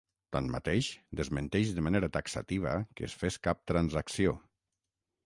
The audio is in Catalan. Tanmateix, desmenteix de manera taxativa que es fes cap transacció.